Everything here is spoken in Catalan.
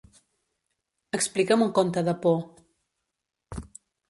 Explica'm un conte de por.